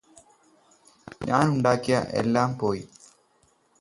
ഞാനുണ്ടാക്കിയ എല്ലാം പോയി